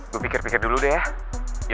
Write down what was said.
gue pikir pikir dulu deh ya